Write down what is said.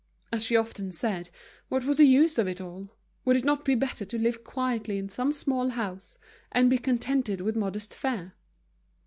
As she often said, what was the use of it all? Would it not be better to live quietly in some small house, and be contented with modest fare?